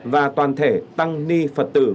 và toàn thể tăng ni phật tử